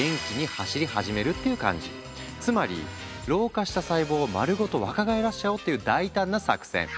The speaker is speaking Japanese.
つまり老化した細胞を丸ごと若返らせちゃおうっていう大胆な作戦。